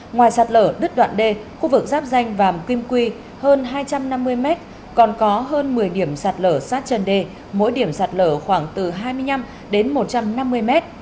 ngoài sạt lở đứt đoạn đê khu vực giáp danh vàm kim quy hơn hai trăm năm mươi mét còn có hơn một mươi điểm sạt lở sát chân đê mỗi điểm sạt lở khoảng từ hai mươi năm đến một trăm năm mươi mét